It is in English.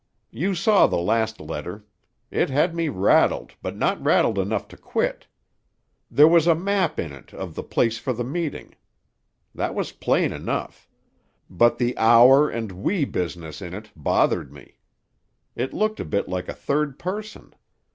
"You saw the last letter. It had me rattled, but not rattled enough to quit. There was a map in it of the place for the meeting. That was plain enough. But the 'our' and 'we' business in it bothered me. It looked a bit like a third person.